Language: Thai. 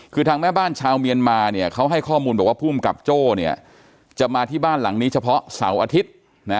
คือทางแม่บ้านชาวเมียนมาเนี่ยเขาให้ข้อมูลบอกว่าภูมิกับโจ้เนี่ยจะมาที่บ้านหลังนี้เฉพาะเสาร์อาทิตย์นะ